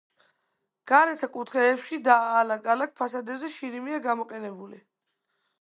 გარეთა კუთხეებში და ალაგ-ალაგ ფასადებზე შირიმია გამოყენებული.